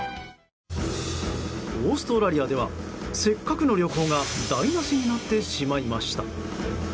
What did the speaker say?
オーストラリアではせっかくの旅行が台無しになってしまいました。